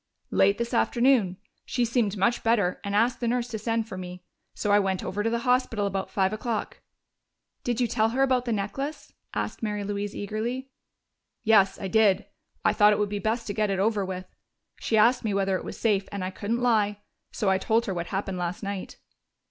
"Late this afternoon. She seemed much better and asked the nurse to send for me. So I went over to the hospital about five o'clock." "Did you tell her about the necklace?" asked Mary Louise eagerly. "Yes, I did. I thought it would be best to get it over with. She asked me whether it was safe, and I couldn't lie. So I told her what happened last night."